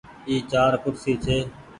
اي چآر ڪُرسي ڇي۔